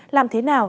làm thế nào